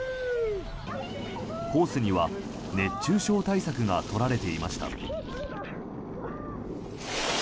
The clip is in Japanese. コースには熱中症対策が取られていました。